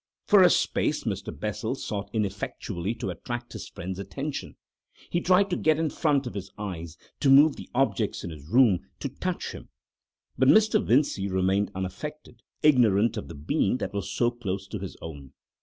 For a space Mr. Bessel sought ineffectually to attract his friend's attention. He tried to get in front of his eyes, to move the objects in his room, to touch him. But Mr. Vincey remained unaffected, ignorant of the being that was so close to his own.